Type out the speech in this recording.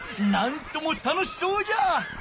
なんとも楽しそうじゃ！